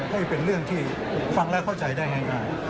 ให้เป็นเรื่องที่ฟังแล้วเข้าใจได้ง่าย